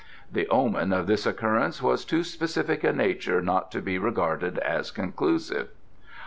The omen of this occurrence was of too specific a nature not to be regarded as conclusive.